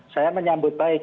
saya menyambut baik